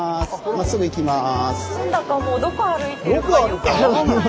まっすぐ行きます。